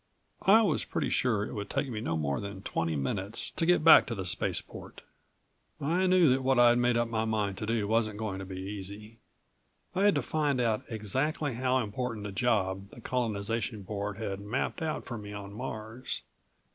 I was pretty sure it would take me no more than twenty minutes to get back to the spaceport. I knew that what I'd made up my mind to do wasn't going to be easy. I had to find out exactly how important a job the Colonization Board had mapped out for me on Mars.